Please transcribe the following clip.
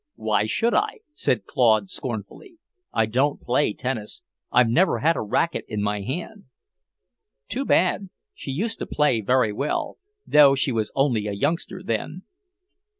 "Why should I?" said Claude scornfully. "I don't play tennis. I never had a racket in my hand." "Too bad. She used to play very well, though she was only a youngster then."